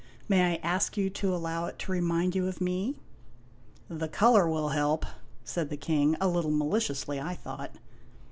" May I ask you to allow it to remind you of me ?'" The color will help," said the King, a little maliciously, I thought.